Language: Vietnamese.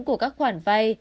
của các khoản vay